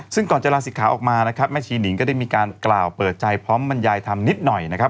ซึ่งก่อนจะลาศิกขาออกมานะครับแม่ชีนิงก็ได้มีการกล่าวเปิดใจพร้อมบรรยายธรรมนิดหน่อยนะครับ